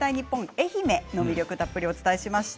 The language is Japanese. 愛媛の魅力をたっぷりお伝えしました。